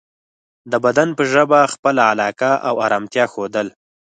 د بدن په ژبه خپله علاقه او ارامتیا ښودل